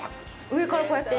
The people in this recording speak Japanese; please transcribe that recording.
上からこうやって？